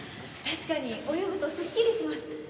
確かに泳ぐとすっきりします。